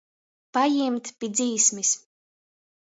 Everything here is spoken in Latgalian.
Pajimt pi dzīsmis.